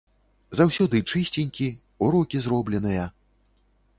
Заўсёды чысценькі, урокі зробленыя.